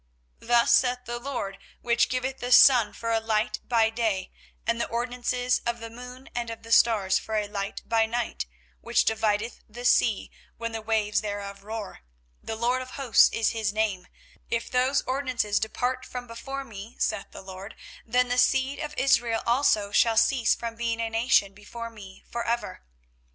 24:031:035 Thus saith the LORD, which giveth the sun for a light by day, and the ordinances of the moon and of the stars for a light by night, which divideth the sea when the waves thereof roar; The LORD of hosts is his name: 24:031:036 If those ordinances depart from before me, saith the LORD, then the seed of Israel also shall cease from being a nation before me for ever.